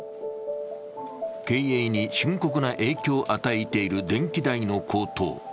経営に深刻な影響を与えている電気代の高騰。